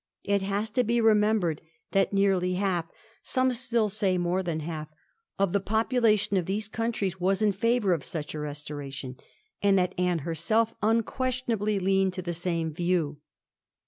It has to be remembered that nearly half — some still say more than half — of the population of these countries was in favour of such a restoration, and that Anne herself unquestionably leaned to the same view.